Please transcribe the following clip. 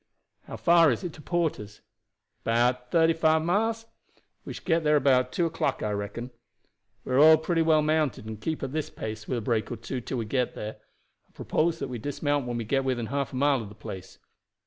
"How far is it to Porter's?" "About thirty five miles. We shall get there about two o'clock, I reckon. We are all pretty well mounted and can keep at this pace, with a break or two, till we get there. I propose that we dismount when we get within half a mile of the place.